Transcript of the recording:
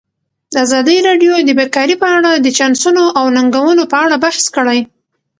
ازادي راډیو د بیکاري په اړه د چانسونو او ننګونو په اړه بحث کړی.